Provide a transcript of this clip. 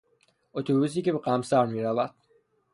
اتوبوسی که به قمصر میرود